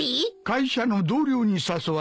会社の同僚に誘われてな。